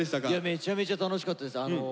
めちゃめちゃ楽しかったです。